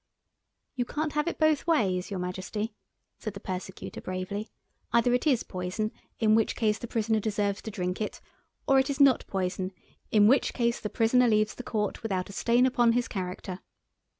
"You can't have it both ways, your Majesty," said the Persecutor bravely; "either it is poison, in which case the Prisoner deserves to drink it, or it is not poison, in which case the Prisoner leaves the Court without a stain upon his character."